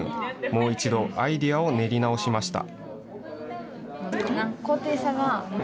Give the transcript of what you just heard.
もう一度、アイデアを練り直しました。